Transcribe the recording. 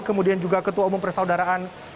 kemudian juga ketua umum persaudaraan